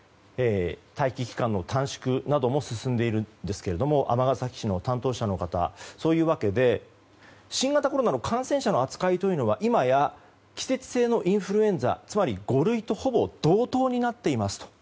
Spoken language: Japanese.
待機期間の短縮なども進んでいるんですが尼崎市の担当者の方はそういうわけで新型コロナの感染者の扱いというのは今や季節性のインフルエンザつまり五類とほぼ同等になっていますと。